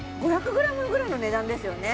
５００ｇぐらいの値段ですよね